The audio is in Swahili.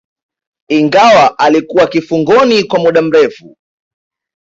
ingawa alikuwa kifungoni kwa muda mrefu